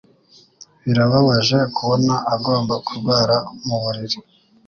Birababaje kubona agomba kurwara mu buriri.